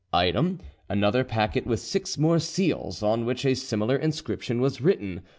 "Item, another packet with six more seals, on which a similar inscription was written.